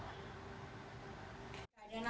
badan aku sekarang aku tertekan